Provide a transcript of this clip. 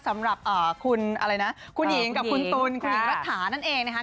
สำหรับคุณหญิงกับคุณตุ๋นคุณหญิงรักษานั่นเองนะครับ